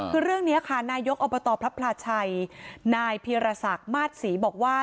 คือเรื่องนี้ค่ะนายกอบตพระพลาชัยนายพีรศักดิ์มาสศรีบอกว่า